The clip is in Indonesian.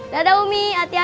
dadah umi hati hati ya umi